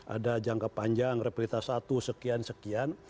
ada jangka panjang replita satu sekian sekian